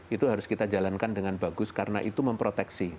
itu harus kita jalankan dengan bagus karena itu memproteksi